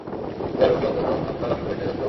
Sir, ও কি অন্তত আপনার আসল পরিচয় জানত?